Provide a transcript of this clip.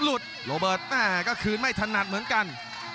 โรเบิร์ตแม่ก็คืนไม่ถนัดเหมือนกัน